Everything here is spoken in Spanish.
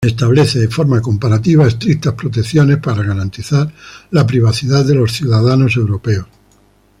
Establece de forma comparativa estrictas protecciones para garantizar la privacidad de los ciudadanos europeos.